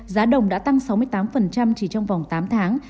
giá đồng đã tăng sáu mươi tám chỉ trong vòng tám tháng